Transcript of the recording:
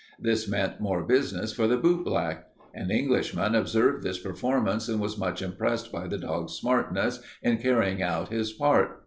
This meant more business for the bootblack. An Englishman observed this performance and was much impressed by the dog's smartness in carrying out his part.